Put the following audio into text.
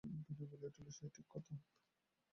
বিনয় বলিয়া উঠিল, সে ঠিক কথা।